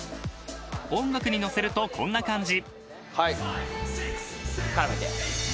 ［音楽に乗せるとこんな感じ］